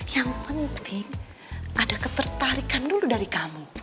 yang penting ada ketertarikan dulu dari kamu